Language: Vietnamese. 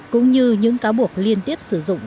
cũng như những cáo buộc liên tiếp sử dụng